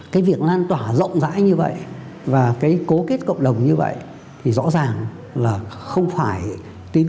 cái việc lan tỏa rộng rãi như vậy và cái cố kết cộng đồng như vậy thì rõ ràng là không phải tín